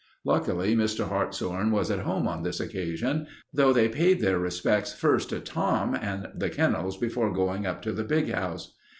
Luckily, Mr. Hartshorn was at home on this occasion, though they paid their respects first to Tom and the kennels before going up to the big house.